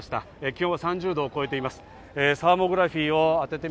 気温は３０度を超えています。